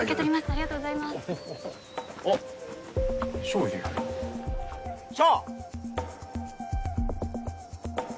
ありがとうございますあっ翔いるやん翔！